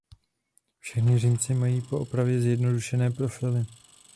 Všechny římsy mají po opravě zjednodušené profily.